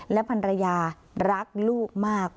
และภรรยารักลูกมาก